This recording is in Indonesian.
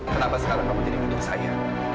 kenapa sekarang kamu jadi mundur saya